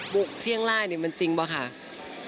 บุคเชี่ยงล่านี่มันจริงเปล่าคะ